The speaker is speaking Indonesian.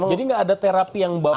jadi nggak ada terapi yang bapak